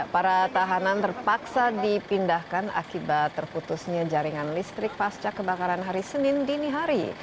para tahanan terpaksa dipindahkan akibat terputusnya jaringan listrik pasca kebakaran hari senin dini hari